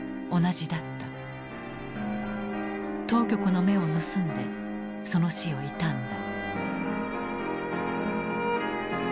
当局の目を盗んでその死を悼んだ。